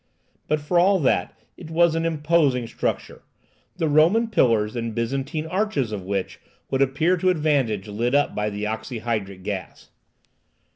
But for all that it was an imposing structure; the Roman pillars and Byzantine arches of which would appear to advantage lit up by the oxyhydric gas.